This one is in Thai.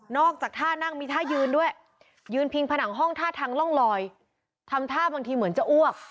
จากท่านั่งมีท่ายืนด้วยยืนพิงผนังห้องท่าทางร่องลอยทำท่าบางทีเหมือนจะอ้วก